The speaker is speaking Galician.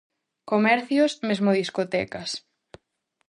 Comercios, mesmo discotecas...